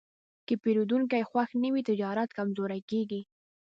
که پیرودونکی خوښ نه وي، تجارت کمزوری کېږي.